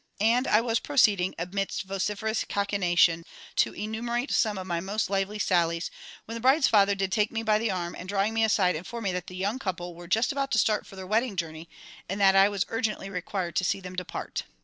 And I was proceeding, amidst vociferous cachinnation, to enumerate some of my most lively sallies, when the bride's father did take me by the arm, and drawing me aside, inform me that the young couple were just about to start for their wedding journey, and that I was urgently required to see them depart.